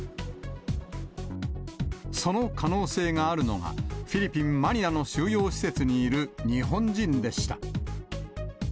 その可能性があるのが、フィリピン・マニラの収容施設にいる日本人でした。